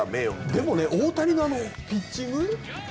でも大谷のピッチング